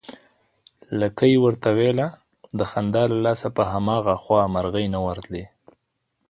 لکۍ يې ورته ويله، د خندا له لاسه په هماغه خوا مرغۍ نه ورتلې